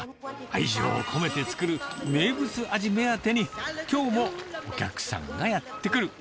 愛情込めて作る名物味目当てに、きょうもお客さんがやって来る。